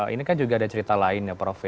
ini kan juga ada cerita lain ya prof